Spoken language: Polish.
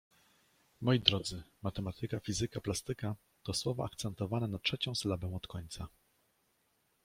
Moi drodzy: Matematyka, fizyka, plastyka to słowa akcentowane na trzecią sylabę od końca.